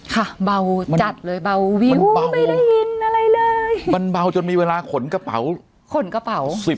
ค่ะเบาจัดเลยเบาวิวไม่ได้ยินอะไรเลยมันเบาจนมีเวลาขนกระเป๋า๑๐ใบ